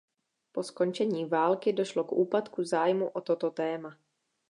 Po skončení války došlo k úpadku zájmu o toto téma.